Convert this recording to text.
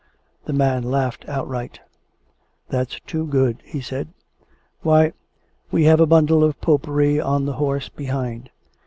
''" The man laughed outright. " That's too good," he said. " Why, we have a bundle of popery on the horse behind